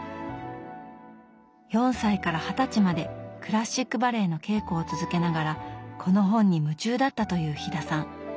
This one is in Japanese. ４歳から二十歳までクラシックバレエの稽古を続けながらこの本に夢中だったという飛田さん。